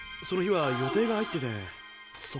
その日は予定が入ってて。